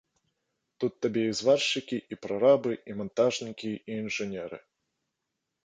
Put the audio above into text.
Тут табе і зваршчыкі, і прарабы, і мантажнікі, і інжынеры.